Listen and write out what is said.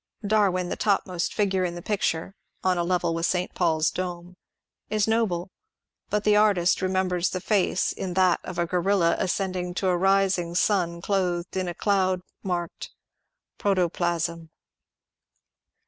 Darwin, the topmost figure in the pic ture (on a level with St. Paul's dome) ia noble, but the artist remembers the face in that of a gorilla ascending to a rising 8ui> clothed in a cloud marked Protoplasm."